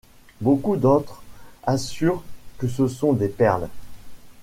Beaucoup d’autres assurent que ce sont des perles.